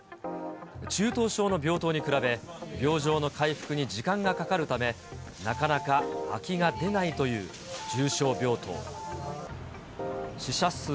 中等症の病棟に比べ、病状の回復に時間がかかるため、なかなか空きが出ないという重症病棟。